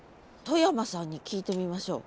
外山さんに聞いてみましょう。